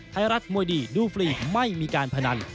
ไทยรัฐมวยดีดูฟรีไม่มีการพนัน